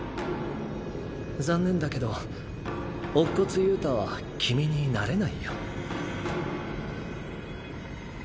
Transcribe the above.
残念だけど乙骨憂太は君になれないよ。